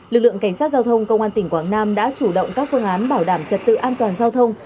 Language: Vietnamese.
lực lượng cảnh sát giao thông công an tỉnh quảng nam đã chủ động các phương án bảo đảm trật tự an toàn giao thông